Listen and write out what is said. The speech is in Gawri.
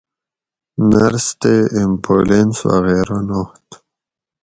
نرس تے ایمبولینس وغیرہ نات